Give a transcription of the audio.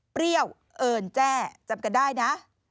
เปรี้ยวเอิญแจ้จำกันได้นะ